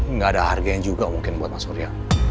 nggak ada harga yang juga mungkin buat mas urya